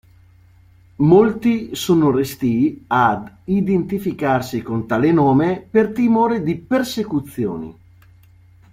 Molti sono restii ad identificarsi con tale nome per timore di persecuzioni.